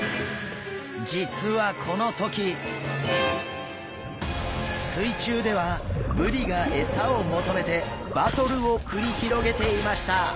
実はこの時水中ではブリが餌を求めてバトルを繰り広げていました。